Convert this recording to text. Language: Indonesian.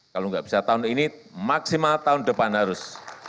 kalau nggak bisa tahun ini maksimal tahun depan harus